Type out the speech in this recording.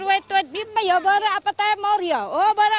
kalau di pasar itu ya barang apa apa ya barang barang